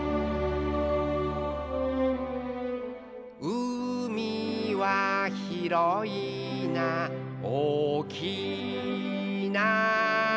「うみはひろいなおおきいな」